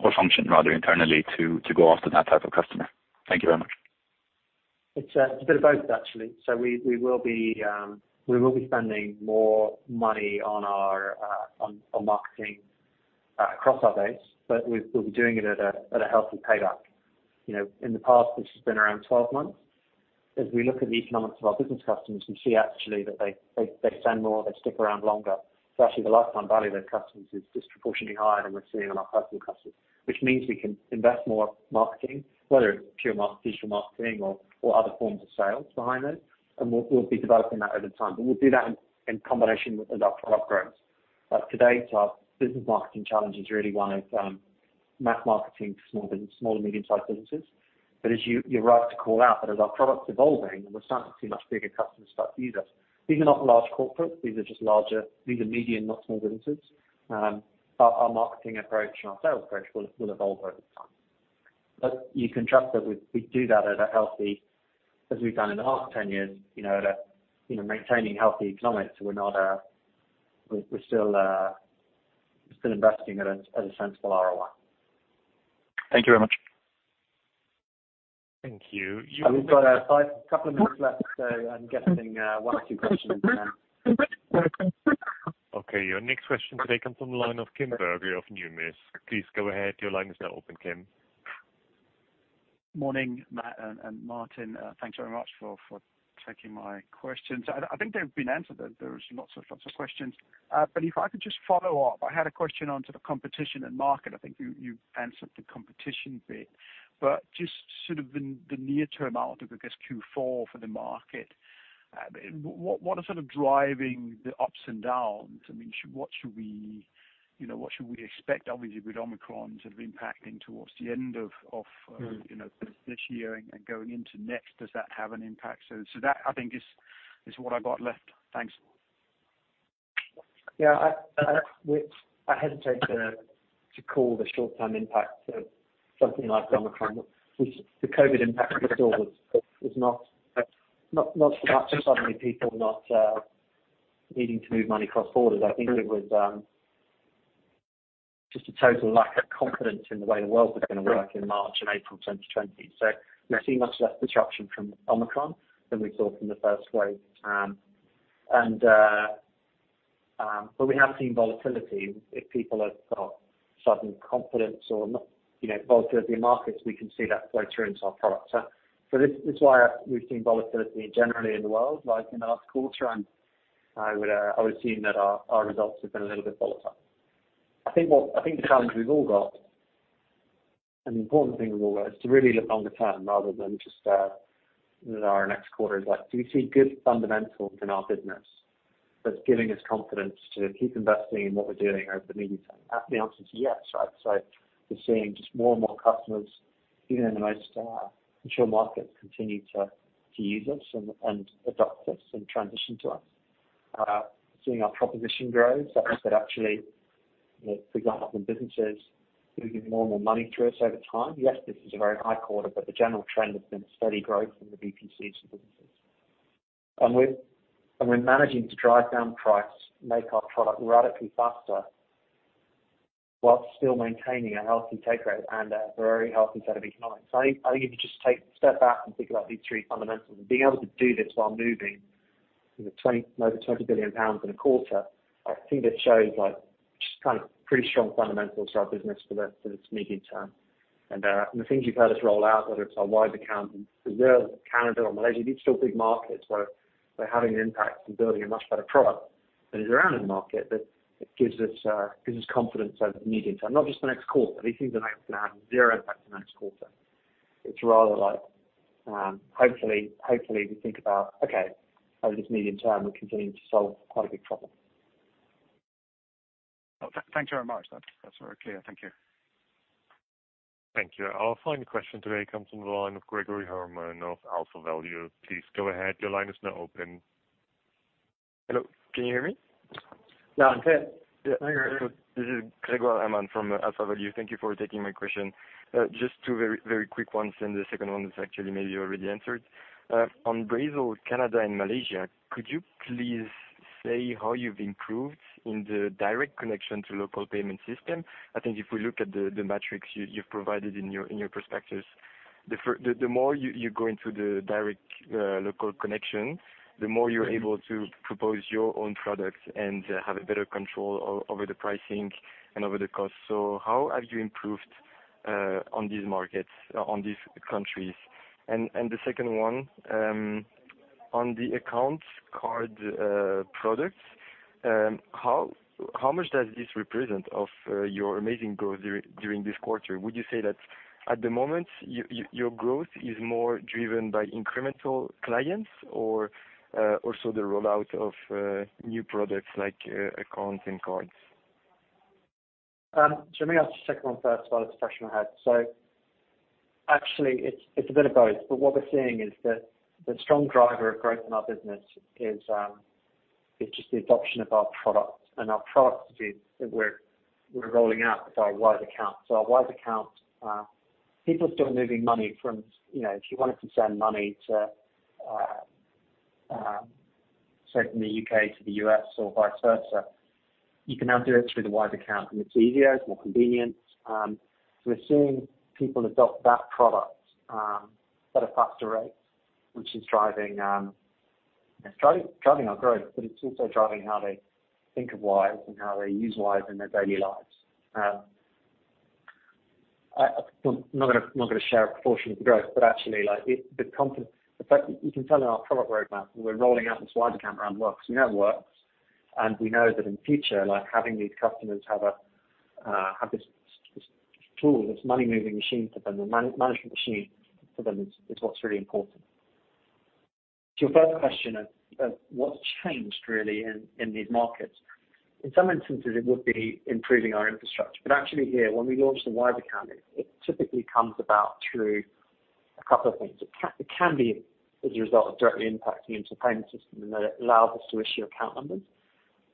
or function rather internally to go after that type of customer? Thank you very much. It's a bit of both, actually. We will be spending more money on our on marketing across our base. We'll be doing it at a healthy payback. You know, in the past, this has been around 12 months. As we look at the economics of our business customers, we see actually that they spend more, they stick around longer. Actually the lifetime value of their customers is disproportionately higher than we're seeing on our personal customers. Which means we can invest more marketing, whether it's pure digital marketing or other forms of sales behind those. We'll be developing that over time. We'll do that in combination with our product growth. Today, our business marketing challenge is really one of mass marketing to small business, small to medium-sized businesses. As you're right to call out that, as our product's evolving and we're starting to see much bigger customers start to use us. These are not large corporates, these are just larger. These are medium, not small businesses. Our marketing approach and our sales approach will evolve over time. You can trust that we do that at a healthy, as we've done in the last 10 years, you know, at a, you know, maintaining healthy economics. We're not. We're still investing at a sensible ROI. Thank you very much. Thank you. We've got five or a couple of minutes left, so I'm guessing one or two questions then. Okay, your next question today comes from the line of Kim Bergoe of Numis. Please go ahead. Your line is now open, Kim. Morning, Matt and Martin. Thanks very much for taking my questions. I think they've been answered. There was lots of questions. But if I could just follow up, I had a question on the competition and market. I think you answered the competition bit. But just sort of the near-term outlook for, I guess, Q4 for the market, what are sort of driving the ups and downs? I mean, what should we expect, you know, obviously, with Omicron sort of impacting towards the end of. Mm. You know, this year and going into next, does that have an impact? That I think is what I've got left. Thanks. Yeah. I hesitate to call the short-term impact of something like Omicron, which the COVID impact we saw was not so much suddenly people not needing to move money across borders. I think it was just a total lack of confidence in the way the world was gonna work in March and April 2020. We're seeing much less disruption from Omicron than we saw from the first wave. We have seen volatility. If people have got sudden confidence or not, you know, volatility in markets, we can see that flow through into our product. This is why we've seen volatility generally in the world, like in the last quarter. I would assume that our results have been a little bit volatile. I think what... I think the challenge we've all got, and the important thing as always, is to really look longer term rather than just what our next quarter is like. Do we see good fundamentals in our business that's giving us confidence to keep investing in what we're doing over the medium term? The answer is yes, right? We're seeing just more and more customers, even in the most mature markets, continue to use us and adopt us and transition to us, seeing our proposition grow, so that actually, you know, for example, businesses moving more and more money through us over time. Yes, this is a very high quarter, but the general trend has been steady growth in the BPCs and businesses. We're managing to drive down price, make our product radically faster, while still maintaining a healthy take rate and a very healthy set of economics. I think if you just take a step back and think about these three fundamentals and being able to do this while moving over 20 billion pounds in a quarter, I think it shows like just kind of pretty strong fundamentals to our business for the medium term. The things you've heard us roll out, whether it's our Wise Account in Brazil, Canada or Malaysia, these are still big markets, so they're having an impact in building a much better product that is around in the market that gives us confidence over the medium term, not just the next quarter. These things are not gonna have zero impact the next quarter. It's rather like, hopefully we think about, okay, over this medium term, we're continuing to solve quite a big problem. Oh, thank you very much. That's very clear. Thank you. Thank you. Our final question today comes from the line of Grégoire Hermann of AlphaValue. Please go ahead. Your line is now open. Hello. Can you hear me? Yeah, okay. Yeah. Hi, Grégoire. This is Grégoire Hermann from AlphaValue. Thank you for taking my question. Just two very quick ones, and the second one is actually maybe you already answered. On Brazil, Canada and Malaysia, could you please say how you've improved in the direct connection to local payment system? I think if we look at the metrics you've provided in your perspectives, the more you go into the direct local connection, the more you're able to propose your own products and have a better control over the pricing and over the cost. How have you improved on these markets, on these countries? The second one, on the accounts card products, how much does this represent of your amazing growth during this quarter? Would you say that at the moment, your growth is more driven by incremental clients or also the rollout of new products like accounts and cards? Maybe I'll just the second one first while it's fresh in my head. Actually it's a bit of both. What we're seeing is that the strong driver of growth in our business is just the adoption of our product. Our product is that we're rolling out with our Wise Account. Our Wise Account, people are still moving money from, you know, if you wanted to send money to, say from the U.K. to the U.S. or vice versa, you can now do it through the Wise Account, and it's easier, it's more convenient. We're seeing people adopt that product at a faster rate, which is driving our growth, but it's also driving how they think of Wise and how they use Wise in their daily lives. I'm not gonna share a proportion of the growth, but actually like it. The fact you can tell in our product roadmap, we're rolling out this Wise Account and it works. We know it works, and we know that in future, like having these customers have this tool, this money-moving machine for them, a money-management machine for them is what's really important. To your first question of what's changed really in these markets. In some instances it would be improving our infrastructure, but actually here when we launch the Wise Account, it typically comes about through a couple of things. It can be as a result of directly impacting into payment system, and that allows us to issue account numbers.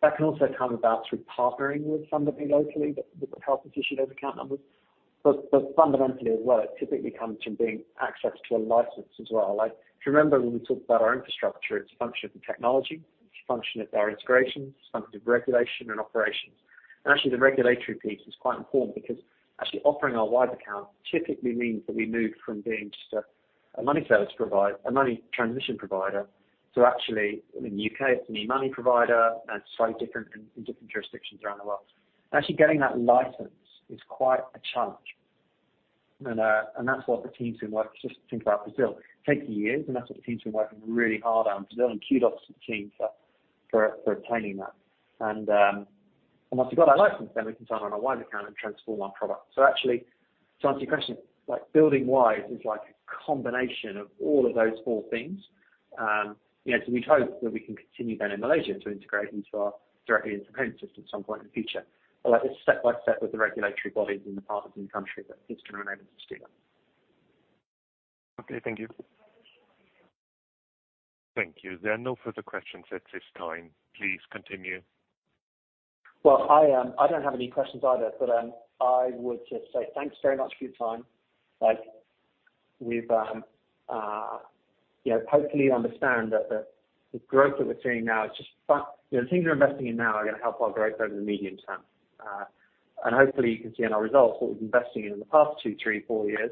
That can also come about through partnering with somebody locally that can help us issue those account numbers. Fundamentally as well, it typically comes from having access to a license as well. Like if you remember when we talked about our infrastructure, it's a function of the technology. It's a function of our integrations. It's a function of regulation and operations. Actually the regulatory piece is quite important because actually offering our Wise account typically means that we move from being just a money service provider to actually, in the U.K. it's an e-money institution and slightly different in different jurisdictions around the world. Actually getting that license is quite a challenge. That's what the team's been working. Just think about Brazil, it's taking years, and that's what the team's been working really hard on. Brazil and kudos to the team for obtaining that. Once we've got that license, then we can turn on our Wise Account and transform our product. Actually, to answer your question, like building Wise is like a combination of all of those four things. You know, we'd hope that we can continue then in Malaysia to integrate directly into the payment system at some point in the future. Like it's step by step with the regulatory bodies and the partners in the country that it's gonna remain sustainable. Okay. Thank you. Thank you. There are no further questions at this time. Please continue. Well, I don't have any questions either, but I would just say thanks very much for your time. Like we've you know, hopefully you understand that the growth that we're seeing now the things we're investing in now are gonna help our growth over the medium term. Hopefully you can see in our results what we've been investing in the past two, three, four years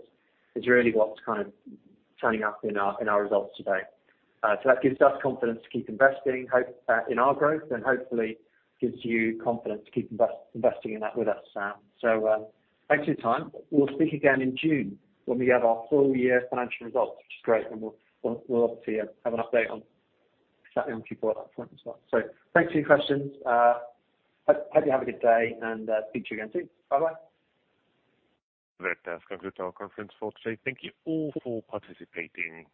is really what's kind of turning up in our results today. That gives us confidence to keep investing in our growth and hopefully gives you confidence to keep investing in that with us, Sam. Thanks for your time. We'll speak again in June when we have our full year financial results, which is great, and we'll obviously have an update on exactly on Q4 at that point as well. Thanks for your questions. I hope you have a good day and speak to you again soon. Bye-bye. That concludes our conference for today. Thank you all for participating.